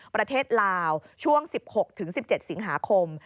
ประเทศลาวช่วง๑๖๑๗สิงหาคม